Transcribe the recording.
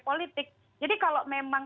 politik jadi kalau memang